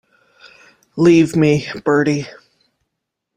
Leave me, Bertie.